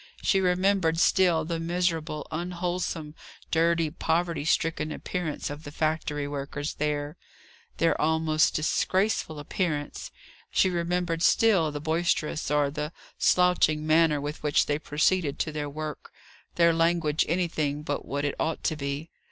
She remembered still the miserable, unwholesome, dirty, poverty stricken appearance of the factory workers there their almost disgraceful appearance; she remembered still the boisterous or the slouching manner with which they proceeded to their work; their language anything but what it ought to be.